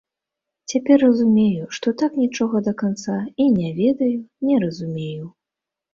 Цяпер разумею, што так нічога да канца і не ведаю, не разумею.